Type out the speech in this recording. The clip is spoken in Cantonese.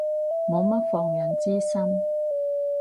冇乜防人之心